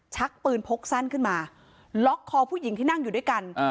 ชักปืนพกสั้นขึ้นมาล็อกคอผู้หญิงที่นั่งอยู่ด้วยกัน